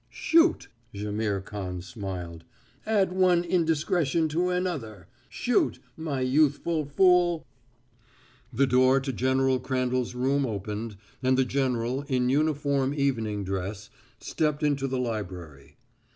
"Shoot!" Jaimihr Khan smiled. "Add one in discretion to another. Shoot, my youthful fool!" The door to General Crandall's room opened, and the general, in uniform evening dress, stepped into the library.